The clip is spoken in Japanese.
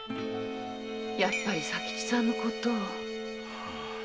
やっぱり佐吉さんの事を。